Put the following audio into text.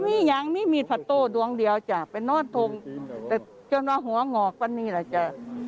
ไม่มีผัดโต้ดวงเดียวเป็นน้อยโทมแต่เจ้าน้องหัวหงอกป่านนี่ล่ะ